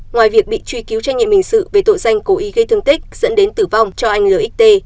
ngoài việc bị truy cứu trách nhiệm hình sự về tội danh cố ý gây thương tích dẫn đến tử vong cho anh l